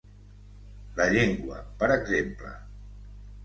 La llengua, per exemple.